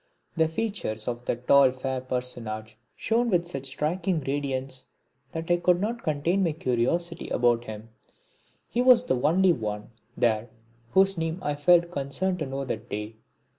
The features of that tall fair personage shone with such a striking radiance that I could not contain my curiosity about him he was the only one there whose name I felt concerned to know that day.